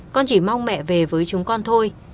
con chỉ mong mẹ về với chúng con thôi